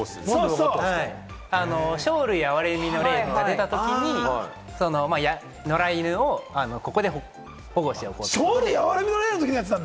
生類憐みの令が出たときに野良犬をここで保護しようと。